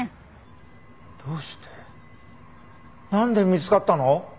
どうしてなんで見つかったの？